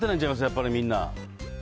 やっぱりみんな。